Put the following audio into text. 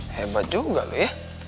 hebat juga lo ya